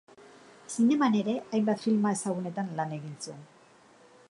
Zineman ere hainbat filma ezagunetan lan egin zuen.